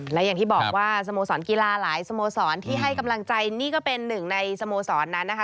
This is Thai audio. และอย่างที่บอกว่าสโมสรกีฬาหลายสโมสรที่ให้กำลังใจนี่ก็เป็นหนึ่งในสโมสรนั้นนะคะ